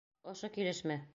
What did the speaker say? — Ошо килешме?